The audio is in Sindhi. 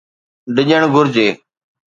ڊڄڻ گهرجي.